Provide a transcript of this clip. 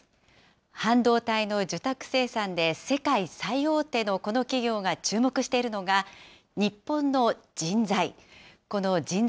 半導体の受託生産で世界最大手のこの企業が注目しているのが、日本の人材。